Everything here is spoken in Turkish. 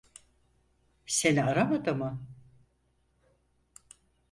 Seni aramadı mı?